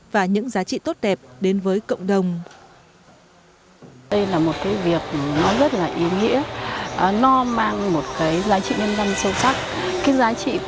và những giá trị tốt đẹp đến với cộng đồng